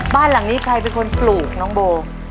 บ้านหลังนี้ใครเป็นคนปลูกน้องโบ